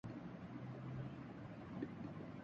اس لئے کہ ضرورت کے مطابق ہرچیز دستیاب ہے۔